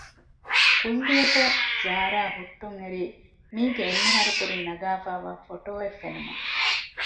ކުއްލިއަކަށް ޒާރާ ހުއްޓުން އެރީ މީގެ އެއްހަރު ކުރިން ނަގާފައިވާ ފޮޓޯއެއް ފެނުމުން